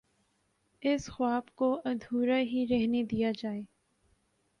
اس خواب کو ادھورا ہی رہنے دیا جائے۔